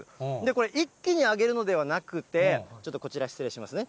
これ、一気にあげるのではなくて、ちょっとこちら失礼しますね。